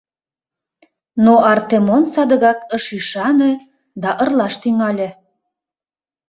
Но Артемон садыгак ыш ӱшане да ырлаш тӱҥале.